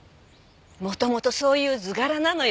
元々そういう図柄なのよ。